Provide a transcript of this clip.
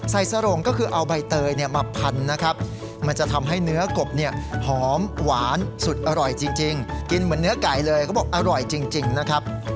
สโรงก็คือเอาใบเตยมาพันนะครับมันจะทำให้เนื้อกบเนี่ยหอมหวานสุดอร่อยจริงกินเหมือนเนื้อไก่เลยเขาบอกอร่อยจริงนะครับ